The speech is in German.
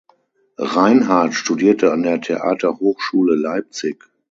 Reinhardt studierte an der Theaterhochschule Leipzig.